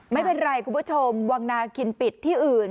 ไม่เป็นไรคุณผู้ชมวังนาคินปิดที่อื่น